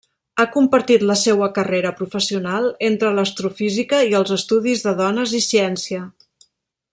Ha compartit la seua carrera professional entre l'astrofísica i els estudis de Dones i Ciència.